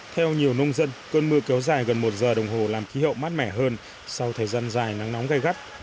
theo nhiều nông dân cơn mưa kéo dài gần một giờ đồng hồ làm khí hậu mát mẻ hơn sau thời gian dài nắng nóng gây gắt